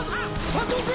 佐藤君！